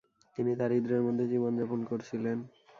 তিনি দারিদ্র্যের মধ্যে জীবনযাপন করছিলেন।